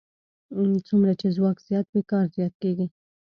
څومره چې ځواک زیات وي کار زیات کېږي.